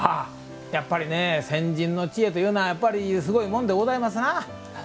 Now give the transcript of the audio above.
やっぱりね先人の知恵というのはすごいもんでございますな。